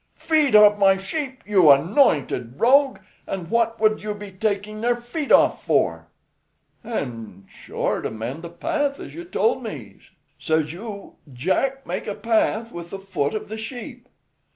"Feet off my sheep, you anointed rogue! and what would you be taking their feet off for?" "An', sure, to mend the path as you told me. Says you, 'Jack, make a path with the foot of the sheep.'"